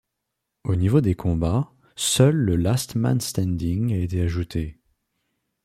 Au niveau des combats, seul le Last Man Standing a été ajouté.